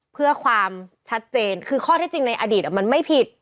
เพื่อความชัดเจนคือข้อเท็จจริงในอดีตมันไม่ผิด